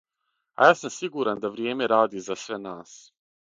А ја сам сигуран да вријеме ради за све нас.